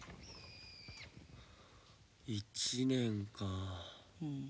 １年か。